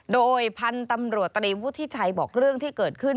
โดยพันธุ์ตำรวจตรีวุฒิชัยบอกเรื่องที่เกิดขึ้น